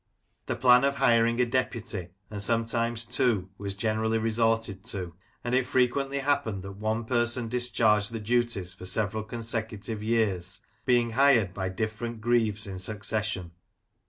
The plan of hiring a deputy, and sometimes two, was generally resorted to; and it fre quently happened that one person discharged the duties for several consecutive years, being hired by different Greaves in succession.